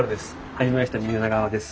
初めまして皆川です。